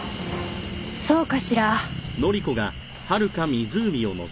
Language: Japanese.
そうかしら？